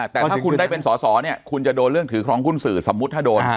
แต่ถ้าคุณได้เป็นสอสอเนี่ยคุณจะโดนเรื่องถือครองหุ้นสื่อสมมุติถ้าโดน